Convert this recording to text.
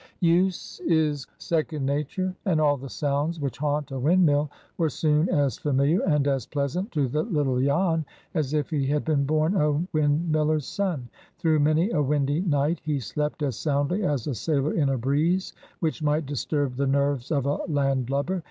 Use is second nature, and all the sounds which haunt a windmill were soon as familiar and as pleasant to the little Jan as if he had been born a windmiller's son. Through many a windy night he slept as soundly as a sailor in a breeze which might disturb the nerves of a land lubber.